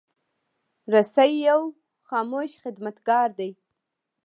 رسۍ یو خاموش خدمتګار دی.